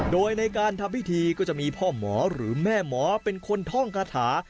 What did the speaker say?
โดยในการทำพิธีก็จะมีพ่อหมอหรือแม่หมอเป็นคนท่องคาถา